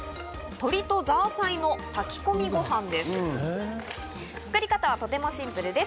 鶏とザーサイの炊き込みごはんです。